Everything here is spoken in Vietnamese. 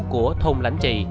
của thôn lãnh trì